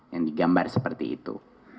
yang digambar seperti itu